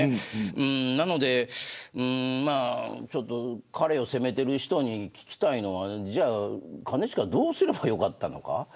なので彼を責めている人に聞きたいのはじゃあ兼近どうすればよかったのか。